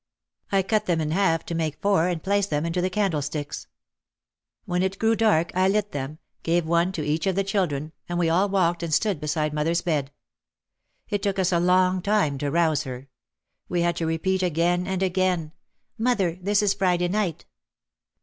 I cut them in half to make four and placed them into the candlesticks. When it 168 OUT OF THE SHADOW grew dark I lit them, gave one to each of the children, and we all walked and stood beside mother's bed. It took us a long time to rouse her. We had to repeat again and again, "Mother, this is Friday night.